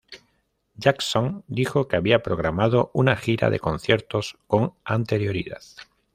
Jackson dijo que había programado una gira de conciertos con anterioridad.